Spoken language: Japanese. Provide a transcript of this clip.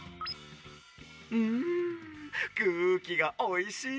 んくうきがおいしい！